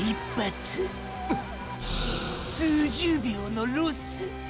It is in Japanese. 数十秒のロス。